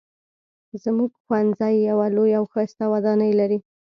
زموږ ښوونځی یوه لویه او ښایسته ودانۍ لري